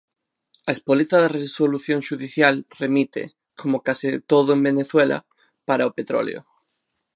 A espoleta da resolución xudicial remite, como case todo en Venezuela, para o petróleo.